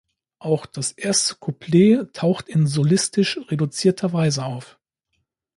Auch das erste Couplet taucht in solistisch reduzierter Weise auf.